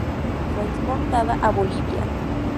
Fue exportada a Bolivia.